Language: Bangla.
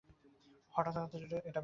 হঠাৎ হঠাৎ এটা বেড়ে যায়।